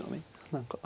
何か。